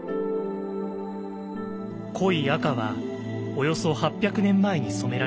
濃い赤はおよそ８００年前に染められたもの。